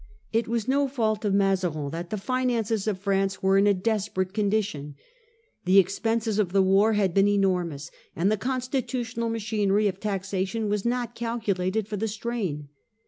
It was no fault of Mazarin that the finances of France were in a desperate condition. The expenses of the war State of had been enormous, and the constitutional finance. machinery of taxation was not calculated for the strain.